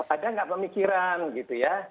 ada nggak pemikiran gitu ya